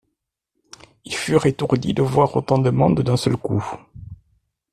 Ils furent étourdis de voir autant de monde d’un seul coup.